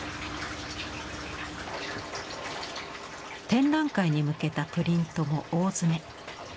展覧会に向けたプリントも大詰め。